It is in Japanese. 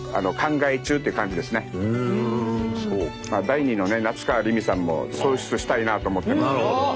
第２の夏川りみさんも創出したいなと思ってますんで。